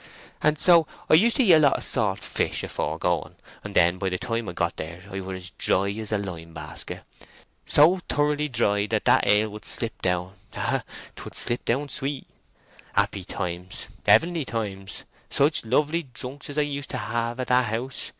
"—And so I used to eat a lot of salt fish afore going, and then by the time I got there I were as dry as a lime basket—so thorough dry that that ale would slip down—ah, 'twould slip down sweet! Happy times! Heavenly times! Such lovely drunks as I used to have at that house!